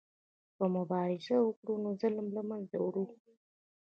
که مبارزه وکړو نو ظلم له منځه وړو.